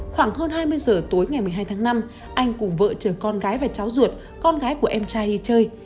khoảng hơn hai mươi giờ tối ngày một mươi hai tháng năm anh cùng vợ chồng con gái và cháu ruột con gái của em trai đi chơi